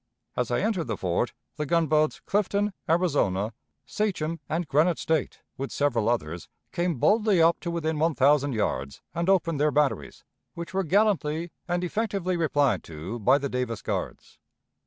As I entered the fort, the gunboats Clifton, Arizona, Sachem, and Granite State, with several others, came boldly up to within one thousand yards, and opened their batteries, which were gallantly and effectively replied to by the Davis Guards.